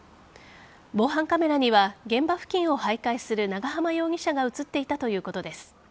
防犯カメラには現場付近を徘徊する長浜容疑者が映っていたということです。